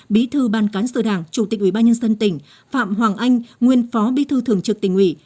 bí thư ban cán sự đảng chủ tịch ủy ban nhân dân tỉnh phạm hoàng anh nguyên phó bí thư thường trực tỉnh ủy